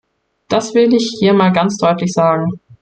Das will ich hier mal ganz deutlich sagen!